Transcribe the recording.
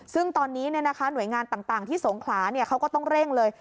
ซึ่งตอนนี้หน่วยงานต่างที่สงขลาเขาก็ต้องเร่งเลย